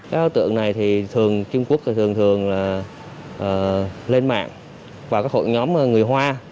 các đối tượng này thì thường trung quốc thường thường là lên mạng vào các hội nhóm người hoa